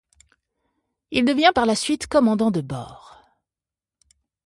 Il devient par la suite commandant de bord.